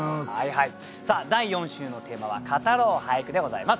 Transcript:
第４週のテーマは「語ろう俳句」でございます。